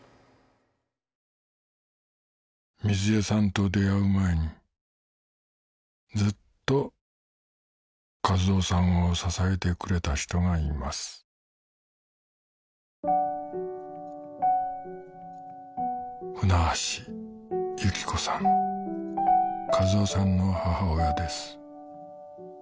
瑞枝さんと出会う前にずっと一男さんを支えてくれた人がいます一男さんの母親です